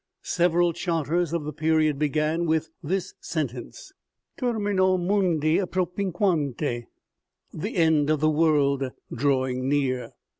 Several charters of the period began with this sentence : Termino mnndi appropinquante :" The end of the world drawing near."